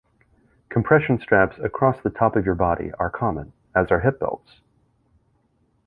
Compression straps across the top of your body are common as are hip belts.